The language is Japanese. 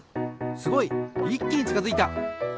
すごい！いっきにちかづいた。